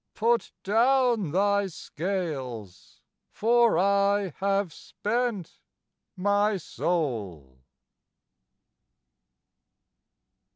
Put down thy scales: for I have spent my soul.